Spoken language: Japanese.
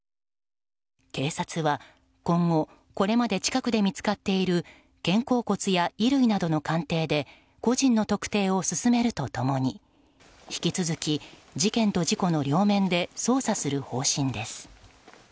警察は、今後これまで近くで見つかっている肩甲骨や衣類などの鑑定で個人の特定を進めると共に引き続き、事件と事故の両面で捜査する方針です。